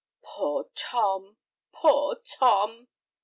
"Poor Tom! poor Tom!"